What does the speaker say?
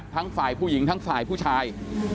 ทั้งฝ่ายผู้หญิงทั้งฝ่ายผู้ชาย